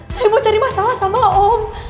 saya mau cari masalah sama om